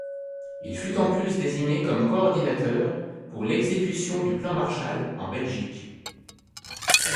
Il fut en plus désigné comme coördinateur pour l'exécution du Plan Marshall en Belgique.